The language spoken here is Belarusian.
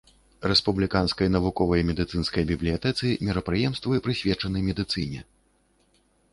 Рэспубліканскай навуковай медыцынскай бібліятэцы мерапрыемствы прысвечаны медыцыне.